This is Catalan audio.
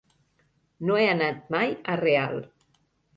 No he anat mai a Real.